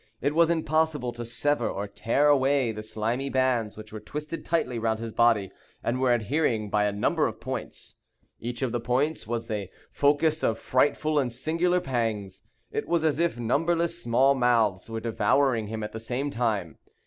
It was impossible to sever or tear away the slimy bands which were twisted tightly round his body, and were adhering by a number of points. Each of the points was the focus of frightful and singular pangs. It was as if numberless small mouths were devouring him at the same time.